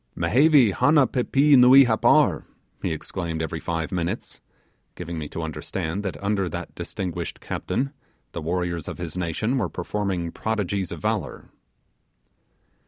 'Mehevi hanna pippee nuee Happar,' he exclaimed every five minutes, giving me to understand that under that distinguished captain the warriors of his nation were performing prodigies of valour.